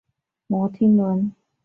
摩天轮和夜景最棒了